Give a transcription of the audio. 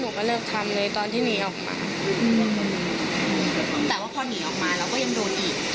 ก็เลิกทำเลยตอนที่หนีออกมาแต่ว่าพอหนีออกมาเราก็ยังโดนอีก